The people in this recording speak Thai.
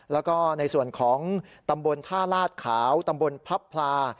แล้วก็ในส่วนของตำบลท่าลาดขาวตำบลพลับพลา